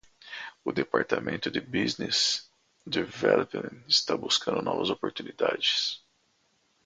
O departamento de Business Development está buscando novas oportunidades.